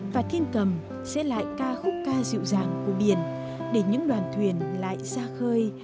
và kim cầm sẽ lại ca khúc ca dịu dàng của biển để những đoàn thuyền lại ra khơi